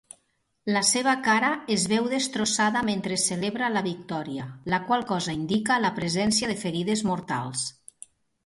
La seva cara es veu destrossada mentre celebra la victòria, la qual cosa indica la presència de ferides mortals.